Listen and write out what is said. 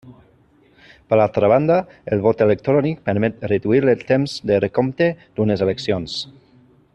Per altra banda, el vot electrònic permet reduir el temps de recompte d'unes eleccions.